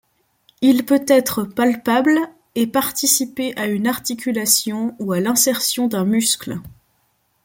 Il peut être palpable et participer à une articulation ou à l'insertion d'un muscle.